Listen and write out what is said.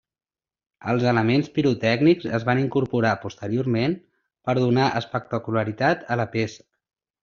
Els elements pirotècnics es van incorporar posteriorment per donar espectacularitat a la peça.